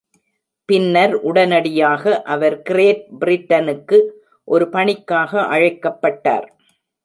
பின்னர் உடனடியாக, அவர் கிரேட் பிரிட்டனுக்கு ஒரு பணிக்காக அழைக்கப்பட்டார்.